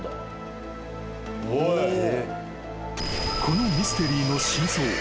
［このミステリーの真相